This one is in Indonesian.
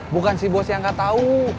bukan si bos yang nggak tahu